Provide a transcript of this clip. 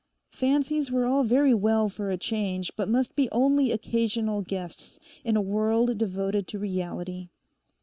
Fancies were all very well for a change, but must be only occasional guests in a world devoted to reality.